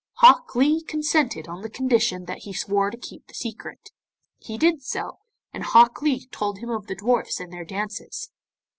Hok Lee consented on condition that he swore to keep the secret. He did so, and Hok Lee told him of the dwarfs and their dances.